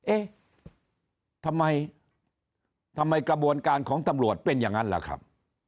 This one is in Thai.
เอ๊ะทำไมทำไมกระบวนการของตำรวจเป็นอย่างนั้นล่ะครับ